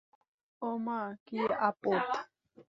ওমা, কী আপদ!